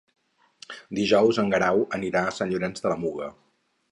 Dijous en Guerau anirà a Sant Llorenç de la Muga.